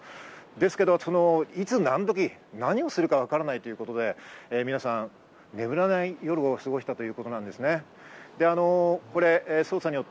ですけど、いつなんどき、何をするかわからないということで、皆さん、寝れない夜を過ごしたということですね。